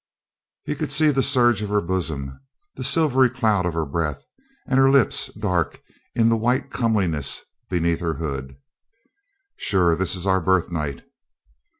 He could see the surge of her bosom, the silvery cloud of her breath, and her lips dark in the white comeliness beneath her hood. "Sure, this is our birth night."